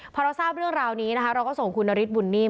พอเราทราบเรื่องราวนี้นะคะเราก็ส่งคุณนฤทธบุญนิ่ม